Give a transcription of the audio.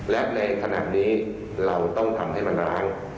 และในขณะนี้เราต้องทำให้มันร้าง